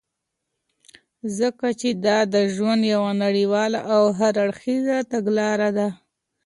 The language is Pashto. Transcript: ځكه چې دادژوند يو نړيواله او هر اړخيزه تګلاره ده .